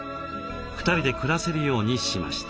２人で暮らせるようにしました。